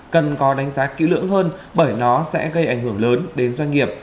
cần có đánh giá kỹ lưỡng hơn bởi nó sẽ gây ảnh hưởng lớn đến doanh nghiệp